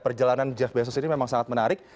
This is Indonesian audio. perjalanan jeff bezos ini memang sangat menarik